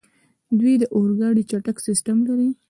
دوی د اورګاډي چټک سیسټم لري.